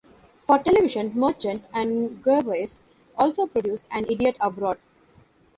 For television, Merchant and Gervais also produced "An Idiot Abroad".